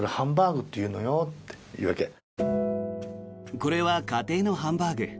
これは家庭のハンバーグ。